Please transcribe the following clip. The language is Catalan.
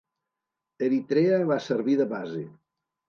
Eritrea va servir de base.